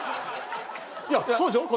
いやそうでしょ？